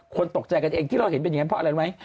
คนตกใจกันเองที่เราเห็นเป็นอย่างแบบมันไหม